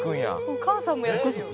「お母さんもやってるよ」